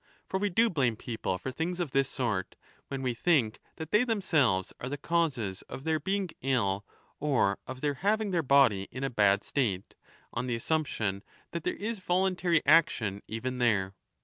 For we do blame people for things of this sort, when we think that they themselves are the causes of their being ill or of their having their body in a bad state, on the assumption that there is voluntary action even there.